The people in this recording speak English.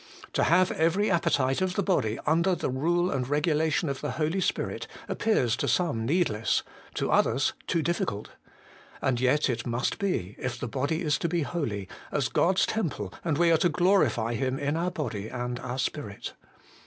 To have every appetite of the body under the rule and regulation of the Holy Spirit appears to some needless, to others too difficult. And yet it must be, if the body is to be holy, as God's temple, and we are to glorify Him in our body and our spirit.